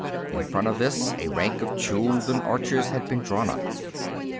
In front of this, a rank of Chuldun archers had been drawn up.